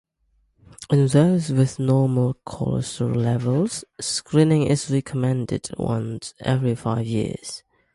In those with normal cholesterol levels, screening is recommended once every five years.